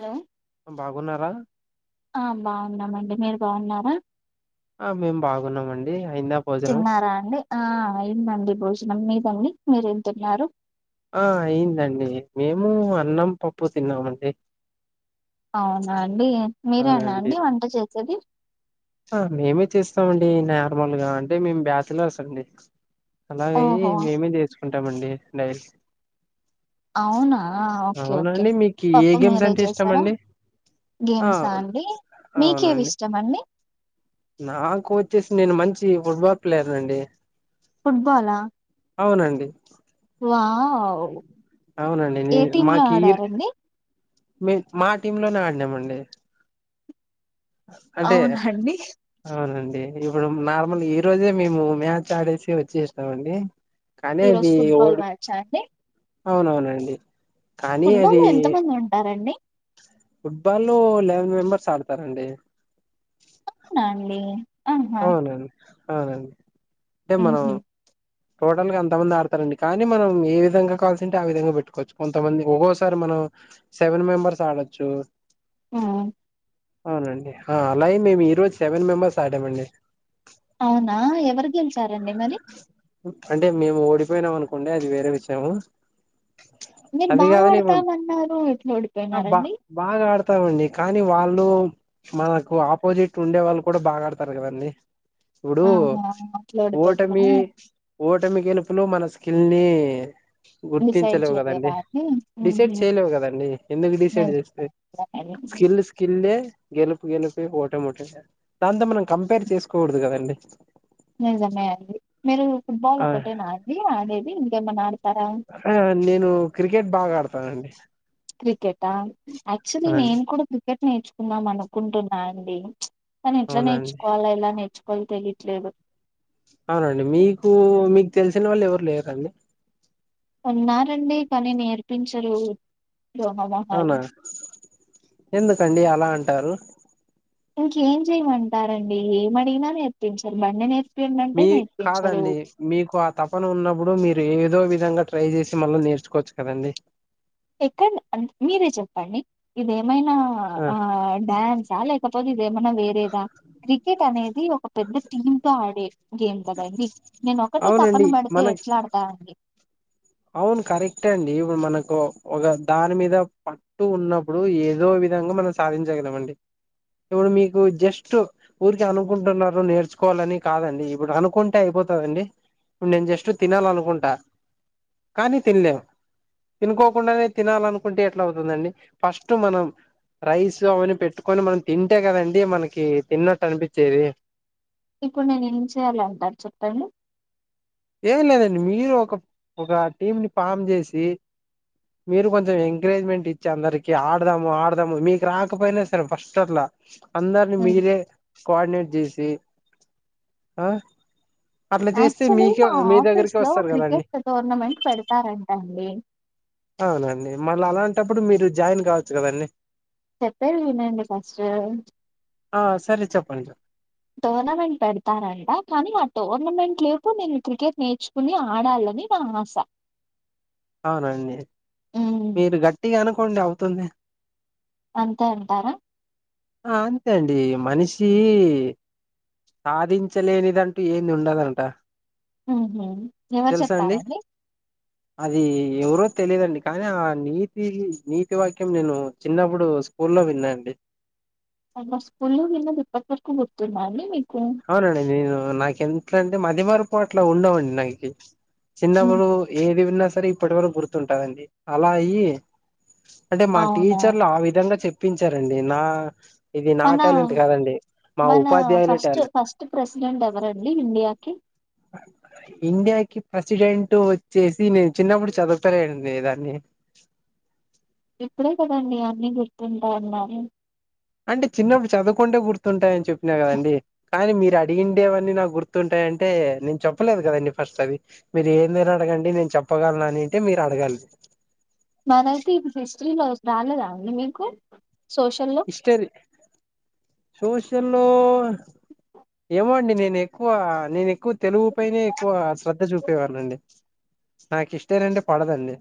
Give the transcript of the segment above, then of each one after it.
Hello బాగున్నారా బాగున్నామండి మీరు బాగున్నారా ఆ మేము బాగున్నామ అండి అయిందా భోజనం తిన్నారా అండి ఆ ఇందండి భోజనం మీదండి మీరేం తిన్నారు ఆ అయిందండి మేము అన్నం పప్పు తిన్నామండి అవునా అండి మీరేనా అవునండి అండి వంట చేసేది మేమే చేస్తామండి నార్మల్గా అంటే మేము బ్యాతిలో వస అండి అలాగయ్య ఓహో మేమే చేసుకోం ఉంటామండి డైల్ అవునా ఓకే ఓకే మీకు ఏ పప్పు గేమ్స్ మీరే అంటే ఇష్టం చేసారా, అండి ఆ గేమ్సా అండి మీకేవి అవునండి ఇష్టమండి. నాకు వచ్చేసి నేను మంచి ఫుట్బాల్ ప్లేయర్ నీ అండి ఫుట్బాల్ ఆ అవునండి వావ్ అవునండి ఏ నేను టీమ్ లో మాకి ఆడారండి మీ మా టీమ్ లోనే ఆడినామండి అంటే అవునండి అవునండి ఇప్పుడు నార్మల్ ఈ రోజే మేము మ్యాచ్ ఆడేసి వచ్చిస్తామండి ఈ రోజ ఫుట్బల్ మ్యాచ్ అ అండి అవునవునండి కానీ అది ఫుట్బాల్లో ఎంత మంది ఉంటారండి ఫుట్బాల్ లెవెన్ మెంబర్స్ ఆడతారంండి అవునా అండి ఆహా అవునును అవునండి అంటే మ్మ్ మనం టోటల్ గా అంత మంది ఆడతారండి కానీ మనం ఏ విధంగా కావాల్సి ఉంటే ఆ విధంగా పెట్టుకోవచ్చు కొంతమంది ఒక్కోసారి మనం సెవెన్ మెంబర్స్ ఆడొచ్చు ఆ అవునండి అలాగే మేము ఈ రోజు సెవెన్ మెంబెర్స్ ఆడామండి సారంండి మరి అంటే మేము ఓడిపోయినాం అనుకోండి అది వేరే విషయము మీరు అది బాగా కాదని ఇప్పుడు ఆడతామన్నారు ఎట్లా బా ఓడిపోయినారండి? బాగా ఆడతామండి కానీ వాళ్ళు మనకు ఆపోజిట్ ఉండే వాళ్ళు కూడా బాగాడతారు కదండి ఆహా అట్లా ఓడిపో టమి ఓటమి గెలుపులు మనసు స్కిల్ని డిసైడ్ గుర్తించలేవు చేయలేదా కదండి అండి? డిసైడ్ హుహు. చేయలేవు కదండడి ఎందుకు డిసైడ్ చేస్తే నిజమేనండి. స్కిల్ స్కిల్ గెలుపు గెలుపి ఒకటమూట దాంతో మనం కంపేర్ చేసుకోకూడదు కదండి నిజమే మీరు ఫుట్బాల్ ఆ ఒకటే నా అండి ఆడేది మనడు ఆ నేను క్రికెట్ బాగా ఆడత ప్పండి క్రికెట్ ఆక్చులీ నేను కూడా క్రికెట్ నేర్చుకుందాం అనుకుంటున్నా అండి తని ఎట్లా అవునండి నేర్చుకోాల ఎలా నేర్చుకో కొ తెలిట్లేదు అవునండి మీకు మీకు తెలిసిన వాళ్ళు ఎవరు లేరా అండి ఉన్నారండి కానీ నేర్పించరు ద్రోహమొహాలు. అవునా ఎందుకండి అలా అంటారు ఇంకేం చేయమంటారండి ఏమడిగిన నేర్పించారు బండి నేర్పి మీ కాదండి మీకు ఆ తపన ఉన్నప్పుడు మీరు ఏదో వి నిజంగా ట్రై చేసి మళ్ళె నేర్చుకోవచ్చు కదండి ఎక్కడ చెప్ మీరే చెప్పండి ఇదే ఏమైనా ఆ డ్యాన్సా లే పొది ఏమన్నా వేరేద క్రికెట్ అనేది ఒక పెద్ద టీమ్ తో ఆడే గేమ్ కదా అండి నేను ఒకటే తపన అవునండి పడితే మన ఎట్లాడతానండి అవును కరెక్టే అండి ఇప్పుడు మనకు ఒక దాని మీద పట్టు ఉన్నప్పుడు ఏదో విధంగా మనం సాధించగలం అండి ఇప్పుడు మీకు జస్ట్ ఉరికి అనుకుంటున్నారు నేర్చుకోవాలని కాదండి ఇప్పుడు అనుకుంటే అయిపోతుందండి ఇప్పుడు నేను జస్ట్ తినాల అనుకుంటా కానీ తినలేము తినుకోకుండానే తినాలనుకుంటే ఎట్లా అవుతుందండి ఫస్ట్ మనం రైస్ అవన్నీ పెట్టుకొని మనం తింటే కదండీ మనకి తిన్నట్టు అనిపించేది ఇప్పుడు నేను ఏం చేయాల అంటారు చెప్పండి ఏం లేదండి మీరు ఒక ఒక టీమ్ ని పామ్ చేసి మీరు కొంచెం ఎంకరేజ్మెంట్ ఇచ్చి అందరికి ఆడదాము ఆడదాము మీకు రాకపోయినా సరే ఫస్ట్ అట్లా అందరిని హ్మ్. మీరే కో ఆర్డినేట్ చేసి ఆ అట్లా చేస్తే యాక్చువల్లీ మీక్ మా ఆఫీస్ లో క్రికెట్ టోర్నమెంట్ పెడతారుంటండి అవునండి మళ్ళీ అలాంటప్పుడు మీరు జాయిన్ కావచ్చు కదండి చెప్పేది వినండి ఫస్ట్ ఆ సరే చెప్పండి చెప్ టోర్నమెంట్ పెడతరు అంటా కానీ ఆ టో టూర్నమెంట్ లేపు నేను క్రికెట్ నేర్చుకుని ఆడాలని నా ఆశ అవునండి హ్మ్. మీరు గట్టిగా అను కోండి అవుతుంది అంతే అంటారా ఆ అంతే అండి మనిషి సాధించలేనిదంటూ ఏది ఉండదంట మ్మ్ హ్మ్ ఎవరు తెలుసా అండి చెప్పారండి అది ఎవరో తెలిదండి కానీ ఆ నీతి నీతి వాక్యం నేను చిన్నప్పుడు స్కూ లో విన్నానండి అ స్కూల్న్న దీప్పక్క వరకు గుర్తున్నాండి మిక్ అవును అండి నేను నాకి ఎంతంటే మదిమరపు అట్ల ఉండవండి నాకి హ్మ్. చిన్నప్పుడు ఏది విన్న సరే ఇప్పటి వరకు గుర్తుంటాదండి అలా అయ్యి అంటే మా అవునా! టీచర్లు ఆ విధంగా చెప్ ప్పించారండి నా ఇది నా మన టాలెంట్ కాదండి మా మన ఉపాధ్యాయుల ఫస్ట్ టాలెంట్ ఫస్ట్ ప్రెసిడెంట్ ఎవరు అండి ఇండియాకి ఇండియాకి ప్రెసిడెంట్ వచ్చేసి నేను చిన్నప్పుడు చదువుకోలేదండి దాన్ని ఇప్పుడే కదండి అన్నీ గుర్తుంటాయి అన్నారు అంటే చిన్నప్పుడు చదువుకుంటే గుర్తుంటాయని చెప్పినా కదండి కానీ మీరు అడిగండేవన్నీ నాకు గుర్తుంటాయి అంటే నేను చెప్పలేదు కదండి ఫస్ట్ అది మీరు ఏందైనా అడగండి నేను చెప్పగలను అని అంటే మీరు అడగాలి మరి అయితే ఇది [unintelligible] త్రీలో హౌస్ రాలేదా అండి మీకు సోషల్‌లో? హిస్టరీ చూసి సోషల్లో ఏమో అండి నేను ఎక్కువ నేను ఎక్కువ తెలుగు పైనే ఎక్కువ శ్రద్ధ చూపేవాడినండి నాకు హిస్టరీ అంటే పడదండి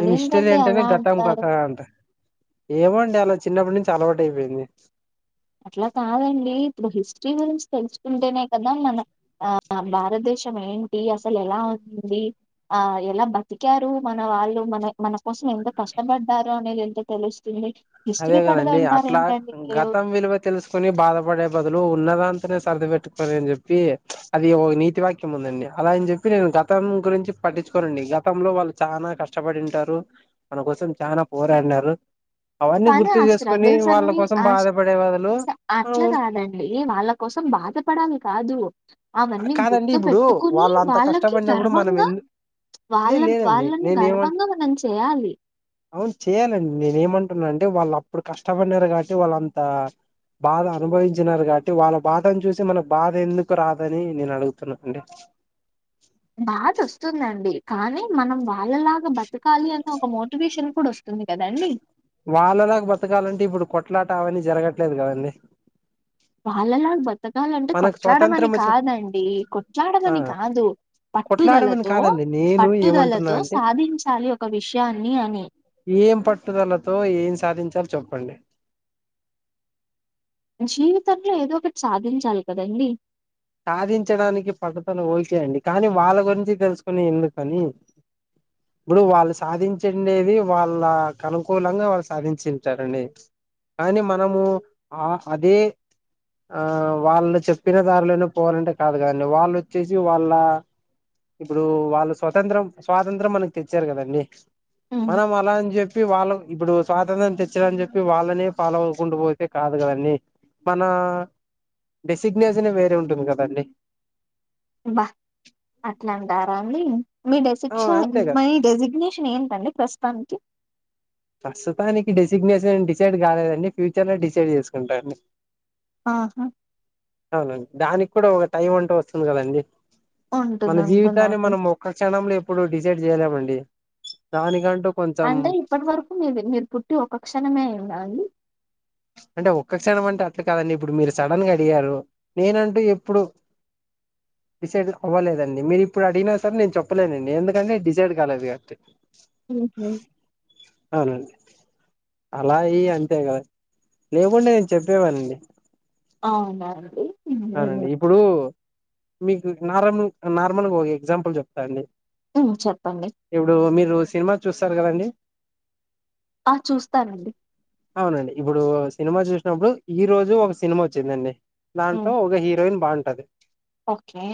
నేను హిస్టరీ అంటేనే అలా గతం అంటారు? గతః అంట ఏమో అండి అలా చిన్నప్పటి నుంచి అలవాటు అయిపోయింది అట్లా కాదండి ఇప్పుడు హిస్టరీ గురించి తెలుసుకుంటేనే కదా మన ఆ భారతదేశం ఏంటి అసలు ఎలా ఉంది ఆ ఎలా బతికారు మన వాళ్ళు మన మన కోసం ఎంత కష్టపడ్డారు అనేది ఎంటో తెలుస్తుంది అదే హిస్టరీ కదండి పడదంటారు అట్లా ఏంటండి మీరు గతం విలువ తెలుసుకొని బాధపడే బదులు ఉన్న దాంతోనే సర్ది పెట్టుకుని అని చెప్పి అది ఒక నీతి వాక్యం ఉందండి అలా అని చెప్పి నేను గతం గురించి పట్టించుకోనండి గతంలో వాళ్ళు చానా కష్టపడింటారు మన కోసం చానా పోరాడినారు అవన్నీ కానీ గుర్తు ఆ చేసుకొని స్ట్రగుల్స్ వాళ్ళ అన్ని కోసం ఆ బాధపడే బదులు మనం అట్లా కాదండి వాళ్ళ కోసం బాధపడాలి కాదు అవన్నీ కాదండి గుర్తు ఇప్పుడు పెట్టుకుని వాళ్ళ అంత వాళ్ళకి కష్టపడినప్పుడు మనం గర్వంగా ఎందు లే వాళ్ళ లేదండి వాళ్ళని నేనే ఏమంటా గర్వంగా మనం చేయాలి అవును చేయాలండి నేనేమంటా అంటే వాళ్ళు అప్పుడు కష్టపడినారు కాట్టి వాళ్ళంత బాధ అనుభవించినారు గాట్టి వాళ్ళ బాధను చూసి మన బాధ ఎందుకు రాదు అని నేను అడుగుతున్నా అండి బాధ వస్తుందండి కానీ మనం బా వాళ్ళలాగా బతకాలి అన్న ఒక మోటివేషన్ కూడా వస్తుంద్ వాళ్ళలాగా బతకాలంటే ఇప్పుడు కొట్ట అట్లా అవన్నీ జరగట్లేదు కదండీ తగాలంటే మనకు కొట్లాడమని స్వాతంత్రం వచ్చి కాదండి ఆ కొట్లాడమని కాదు కొట్లాడమని పట్టుదలతో కాదండి నేను ఏమంటున్నా పట్టుదలతో అంటే సాధించాలి ఒక విషయాన్ని అని ఏం పట్టుదలతో ఏం సాధించాలో చెప్పండి జీవితంలో ఏదో ఒకటి సాధించాలి కదండి సాధించడానికి పడుతను ఓకేయండి కానీ వాళ్ళ గురించి తెలుసుకునే ఎందుకని ఇప్పుడు వాళ్ళు సాధించండేది వాళ్ళ అనుకూలంగా వాళ్ళు సాధించింటారండి కానీ మనము ఆ అదే ఆ వాళ్ళు చెప్పిన దారిలోనే పో పోవాలంటే కాదు కదండి వాళ్ళు వచ్చేసి వాళ్ళ ఇప్పుడు వాళ్ళు స్వతంత్రం స్వాతంత్రం మనకి తెచ్చారు కదండి హ్మ్. మనం అలా అని చెప్పి వాళ్ళ ఇప్పుడు స్వాతంత్రం తెచ్చాలని చెప్పి వాళ్ళనే ఫాలో అవకుంటూ పోతే కాదు కదండి మన డెసిగ్నేషన్ వేరే ఉంట ఉంటుంది కదండి బా అట్లాంటారా అండి మీ డెసి ఆ అంతే కదా మీ డెసిగ్నేషన్ ఏంటండి ప్రస్ తనకి ప్రస్తుతానికి డెసిగ్నేషన్ డిసైడ్ కాలేదండి ఫ్యూచర్ లో డిసైడ్ చేసుకుంటా అండి ఆహా దానికి కూడా ఒక టైం అంటు వస్తుంది కదండి ఉంటుంది. మన జీవితాన్ని ఉంటుందండి. మనం ఒక్క క్షణంలో ఎప్పుడు డిసైడ్ చేయలేమండి దానికంటు అంటే ఇప్పట్ వర్ మీది మీర్ పుట్టి ఒక క్షణమే అయింద అండి అంటే ఒక్క క్షణం అంటే అట్ల కాదండి ఇప్పుడు మీర్ సడన్ గా అడిగారు నేనంటు ఎప్పుడు. డిసైడ్ అవ్వలేదండి మీర్ ఇప్పుడ్ అడిగిన సరే నేన్ చెప్పలేనండి ఎందుకంటే నే డిసైడ్ కాలేదు కాట్టి. మ్హు అల ఈ అంతేగద లేకుంటె నేన్ చెప్పేవండి అవున అండి అవునండి హ్మ్. ఇప్పుడు మీకు నర్మల్ నార్మల్గా ఒక ఎగ్జాంపుల్ చెప్తా అండి హ్మ్. చెప్పండి. ఇప్పుడు మీరు సినిమా చుస్ తర్ గదండి ఆ! చూస్తానండి. అవునండి ఇపుడు సినిమ చూసినప్పుడు ఈ రోజు ఒక సినిమా ఒచ్చిందండి టో హ్మ్. ఒక హీరోయిన్ బాన్ టది ఓకే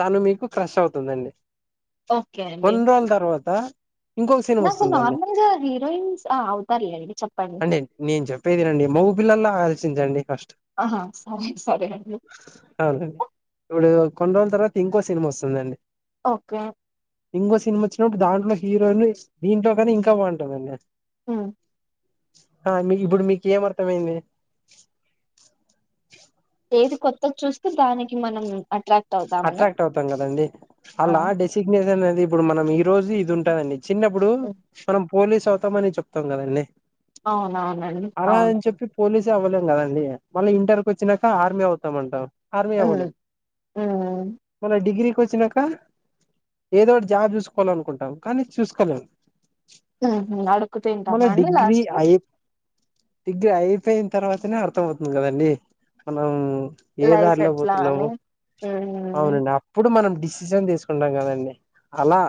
తను మీకు క్రష్ అవుతుందండి ఓకే అండి. కోన్ రొల్ తర్వత్ త ఇంకొక్సిన్ నాకు వస్తుందండి నార్మల్‌గా హీరోయిన్స్ ఆ! అవుతారులేండి చెప్పండి. అండి నేన్ చెప్పేదినండి మొగ్ పిల్లలా ఆలోచించండి కష్ ఆహా సరే సరే అండి. అవునండి ఇపడు కొన్ రోజుల్ తర్వాత ఇంకో సినిమ ఒస్తుందండి ఓకే ఇంకో సినిమ ఒచ్చినప్పుడ్ దాంట్లో హీరోయి దీంట్లో కానీ ఇంకా బాగుంటుందండి ఉమ్ ఆ మీ ఇప్పుడు మీక్ ఏం అర్థంమైంది ఏది కొత్తక్ చూస్తే దానికి మనం అట్రాక్ట్ అవుతామనా? అట్రాక్ట్ అవుతాం కదండి ఆ! అలా డెసిగ్నేసన్ ఇప్పుడు మనం ఈ రోజి ఇది ఉంటాదండి చిన్నప్పుడు హ్మ్. మనం పోలీస్ అవుతామని చెప్తాం కదండీ అవునవునండి అవును జవ్వలేం కదండి మళ్ళీ ఇంటర్క్ వచ్చినాక ఆర్మీ అవుతామంటం ఆర్మీ హ్మ్. అవ్వలేం హ్మ్. మొన్న డిగ్రీ కి వచ్చినాంక ఏదో ఒకటి జాబ్ చూసుకోవాల అనుకుంటాం కానీ చూసుకోలేం. హు హ్మ్ అడుక్కు మళ్ళ తింటామా అండి డిగ్రీ లాస్ట్ కి అయి డిగ్రీ అయిపోయిన తర్వాతనే అర్థం అవుతుంది కదండీ మనం ఏ లైఫ్ దారిలో ఎట్లా అని. పోతున్నాము హ్మ్. అవునండి అప్పుడ్ ప్పుడు మనం డెసిషన్ తీసుకుంటాం కదండి అలా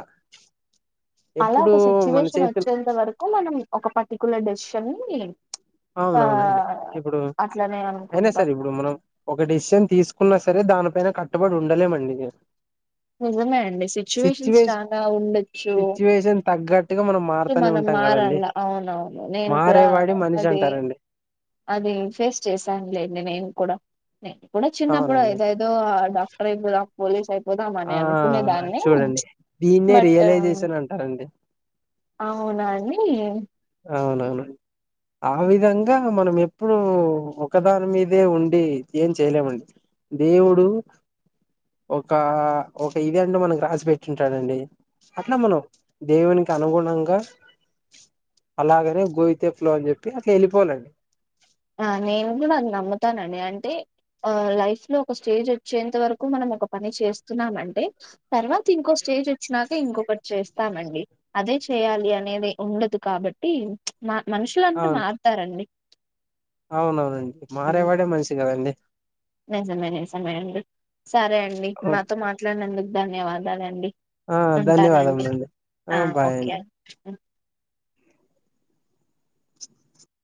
అలా ఎప్పుడు ఒక మన సిచ్యువేషన్ చేతులు వచ్చేంత వరకు మనం ఒక పటి కుల డెసిషన్ మీ అవునవునండి ఇప్పుడు అట్లనే అయినా అనుకుంటాం. సరే ఇప్పుడు మనం ఒక డిసిజన్ తీసుకున్న స సరే దానిపైన కట్టుబడి ఉండలేమండి నిజమే అండి సిచ్యువేషన్స్ సిచ్యువేష చాగా ఉండొచ్చు సిచ్యువేషన్ తగ్గట్టుగా మనం మారుతూనే మనం ఉంటాం కదండి మారలా అవునవును నేను కూడా మారేవాడి మనిషి అదే దే అంటారండి అది ఫేస్ చేశానులేండి నేను కూడా స కూడా చిన్నప్పుడు అవునండి ఇదదో ఆ డాక్టర్ అయిపోదా పోలీస్ అయిపోదాం అని ఆ అనుకునేదాన్ని చూడండి దీన్నే బట్ రియలైజేషన్ అంటారండి అవునా అండి డీ అవునవును ఆ విధంగా మనం ఎప్పుడు ఒకదాని మీదే ఉండి ఏం చేయలేమండి దేవుడు ఒక ఒక ఇది అంటే మనకు రాసి పెట్టింటారండీ అట్లా మనం దేవునికి అనుగుణంగా అలాగనే గోయితే ఫ్లో అని చెప్పి అట్లే వెళ్ళిపోవాలండి ఆ నేను కూడా అది నమ్ముతానండి అంటే ఆ లైఫ్ లో ఒక స్టేజ్ వచ్చేంత వరకు మనం ఒక పని చేస్తున్నామ అంటే తర్వాత ఇంకో స్టేజ్ వచ్చినాక ఇంకొకటి చేస్తామండి అదే చేయాలి అనేది ఉండదు కాబట్టి మా మనుషులంటూ అవును మారుతారండి అవునవునండి మారేవాడే మనిషి కదండి నిజమే నిజమే అండి సరే అండి అవును నాతో మాట్లాడినందుకు ధన్యవాదాలు అండి ఆ ధన్యవాదములు అండి ఆ బాయ్ అండి